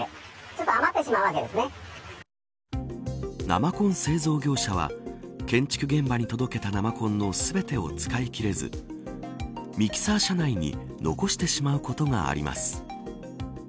生コン製造業者は建築現場に届けた生コンの全てを使い切れずミキサー車内に残してしまうことがあります。